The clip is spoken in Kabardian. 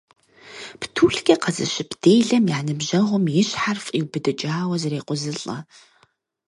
Птулъкӏэ къэзыщып делэм я ныбжьэгъум и щхьэр фӏиубыдыкӏауэ зрекъузылӏэ.